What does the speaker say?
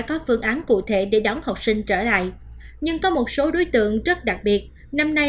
có phương án cụ thể để đón học sinh trở lại nhưng có một số đối tượng rất đặc biệt năm nay